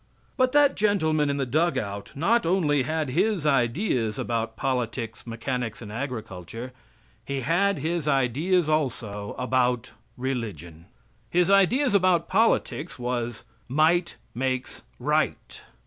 But that gentleman in the dugout not only had his ideas about politics, mechanics, and agriculture; he had his ideas also about religion. His idea about politics was "Might makes right."